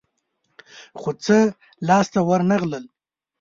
خو څه لاس ته ورنه غلل.